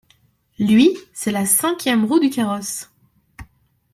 Lui, c’est la cinquième roue du carrosse.